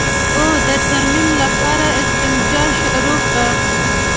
او د تيمم لپاره يې استنجا شروع کړه.